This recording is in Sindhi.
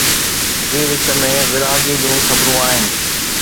جي وچ ۾ ورهاڱي جون خبرون آهن